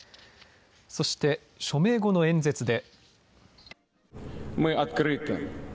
そして署名後の演説で。